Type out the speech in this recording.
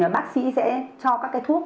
bác sĩ sẽ cho các cái thuốc